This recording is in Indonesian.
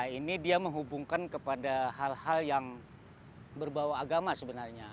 ini dia menghubungkan kepada hal hal yang berbawa agama sebenarnya